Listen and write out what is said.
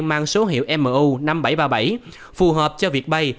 mang số hiệu mu năm nghìn bảy trăm ba mươi bảy phù hợp cho việc bay